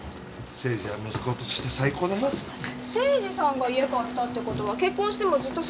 誠治さんが家買ったってことは結婚してもずっとそこに住むってことですよね。